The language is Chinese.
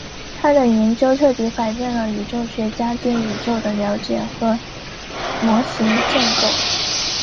她的研究彻底改变了宇宙学家对宇宙的了解和模型建构。